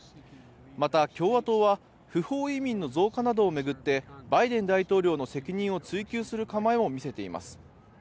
また、共和党は不法移民の増加などを巡ってバイデン大統領の責任を追及する構えを見せています。